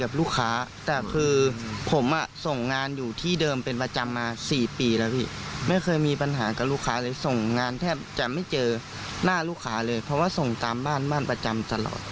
บางคนพูดถึงว่าส่งตามบ้านบ้านประจำตลอด